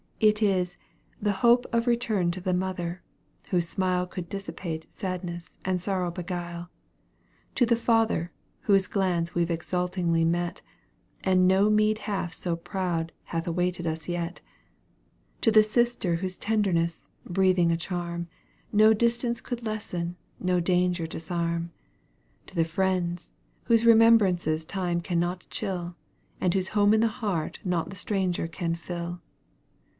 It is "the hope of return to the mother, whose smile Could dissipate sadness and sorrow beguile; To the father, whose glance we've exultingly met And no meed half so proud hath awaited us yet; To the sister whose tenderness, breathing a charm, No distance could lessen, no danger disarm; To the friends, whose remembrances time cannot chill, And whose home in the heart not the stranger can fill."